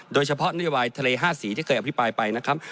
โดยเฉพาะนโยบายทะเล๕สีที่เคยอภิปรายไปนะครับ